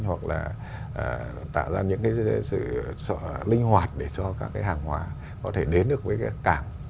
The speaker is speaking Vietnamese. hoặc là tạo ra những cái sự linh hoạt để cho các cái hàng hóa có thể đến được với cái cảng